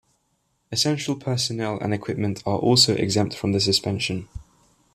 Essential personnel and equipment are also exempt from the suspension.